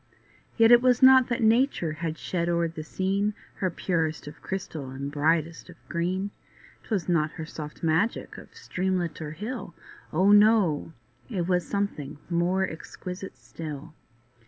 Yet it was not that nature had shed o'er the scene Her purest of crystal and brightest of green; 'Twas not her soft magic of streamlet or hill, Oh! no—it was something more exquisite still.